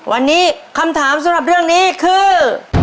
วันนี้คำถามสำหรับเรื่องนี้คือ